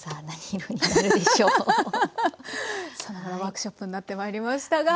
フフフさながらワークショップになってまいりましたが。